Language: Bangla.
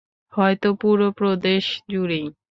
হয়তো, পুরো প্রদেশ জুড়েই!